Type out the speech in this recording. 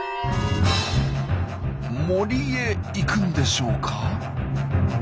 森へ行くんでしょうか？